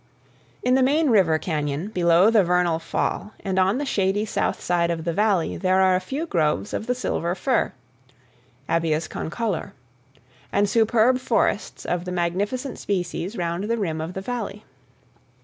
In the main river cañon below the Vernal Fall and on the shady south side of the Valley there are a few groves of the silver fir (Abies concolor), and superb forests of the magnificent species round the rim of the Valley.